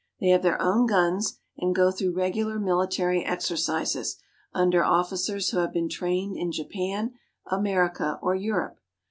They have their own guns and go through regular military exercises under officers who have been trained in Japan, America, or Europe.